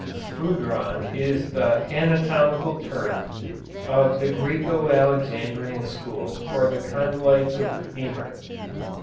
Sphudron is the anatomical term of the Græco Alexandrian school for the condyles of the femur.